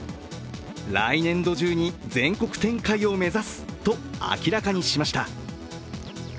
来年度中に全国展開を目指すと明らかにしました。